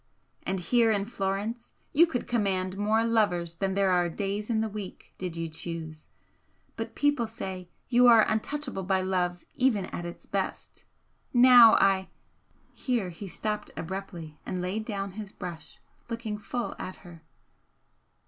And here in Florence you could command more lovers than there are days in the week, did you choose but people say you are untouchable by love even at its best. Now I " Here he stopped abruptly and laid down his brush, looking full at her.